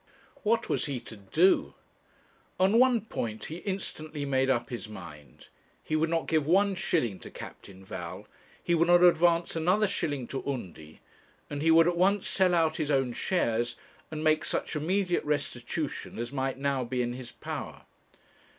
What was he to do? On one point he instantly made up his mind. He would not give one shilling to Captain Val; he would not advance another shilling to Undy; and he would at once sell out his own shares, and make such immediate restitution as might now be in his power.